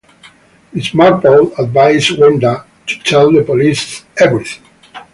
Miss Marple advises Gwenda to tell the police everything.